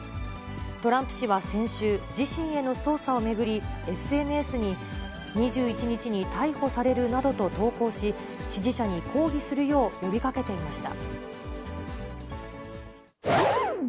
トランプ氏は先週、自身への捜査を巡り、ＳＮＳに、２１日に逮捕されるなどと投稿し、支持者に抗議するよう呼びかけていました。